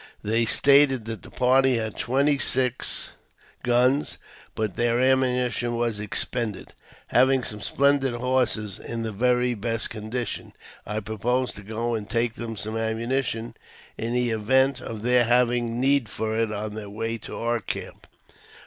They stated that the party had twenty six guns, but that their ammunition was expended. Having some splendid horses, in the very best condition, I proposed to go and take them some ammunition, in the event of their having need for it on their way to our camp.